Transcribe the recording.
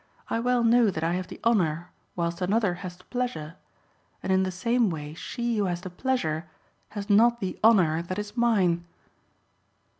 I well know that I have the honour whilst another has the pleasure; and in the same way she who has the pleasure has not the honour that is mine."